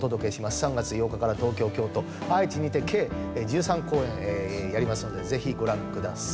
３月８日から東京京都愛知にて計１３公演やりますのでぜひご覧ください。